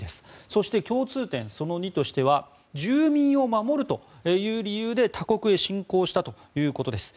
そして共通点その２としては住民を守るという理由で他国へ侵攻したということです。